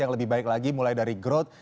yang lebih baik lagi mulai dari growth